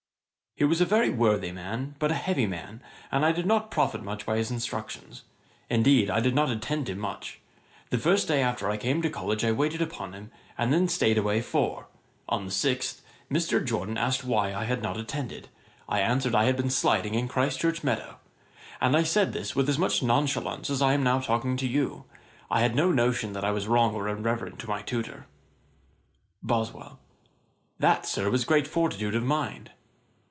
'He was a very worthy man, but a heavy man, and I did not profit much by his instructions. Indeed, I did not attend him much. The first day after I came to college I waited upon him, and then staid away four. On the sixth, Mr. Jorden asked me why I had not attended. I answered I had been sliding in Christ Church meadow. And this I said with as much nonchalance as I am now talking to you. I had no notion that I was wrong or irreverent to my tutor. BOSWELL: 'That, Sir, was great fortitude of mind.'